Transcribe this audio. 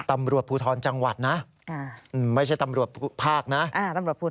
ตำรวจภูทรจังหวัดนะไม่ใช่ตำรวจภาคนะ